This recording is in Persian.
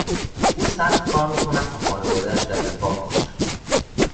او سخت کار میکند تا خانوادهاش در رفاه باشند.